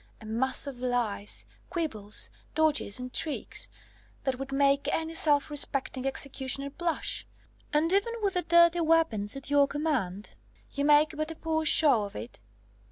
A mass of lies, quibbles, dodges, and tricks, that would make any self respecting executioner blush! And even with the dirty weapons at your command, you make but a poor show of it.